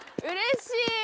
うれしい！